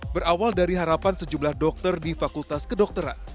berawal dari harapan sejumlah dokter di fakultas kedokteran